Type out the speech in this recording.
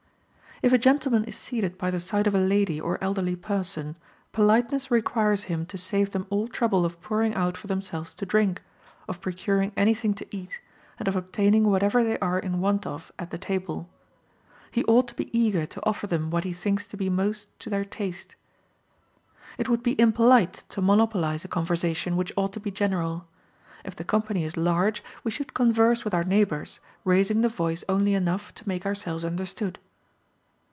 If a gentleman is seated by the side of a lady or elderly person, politeness requires him to save them all trouble of pouring out for themselves to drink, of procuring anything to eat, and of obtaining whatever they are in want of at the table. He ought to be eager to offer them what he thinks to be most to their taste. It would be impolite to monopolize a conversation which ought to be general. If the company is large, we should converse with our neighbors, raising the voice only enough to make ourselves understood.